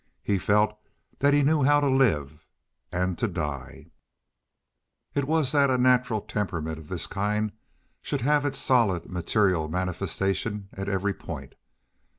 He felt that he knew how to live and to die. It was natural that a temperament of this kind should have its solid, material manifestation at every point.